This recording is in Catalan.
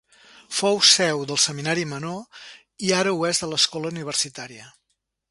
Fou seu del Seminari Menor i ara ho és de l'Escola universitària.